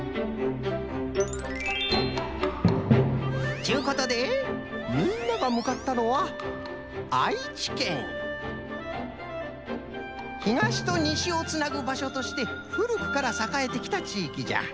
ちゅうことでみんながむかったのはひがしとにしをつなぐばしょとしてふるくからさかえてきた地域じゃ。